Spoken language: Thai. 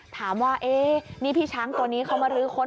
ถามว่านี่พี่ช้างตัวนี้เขามารื้อค้น